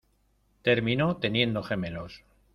Terminó teniendo gemelos.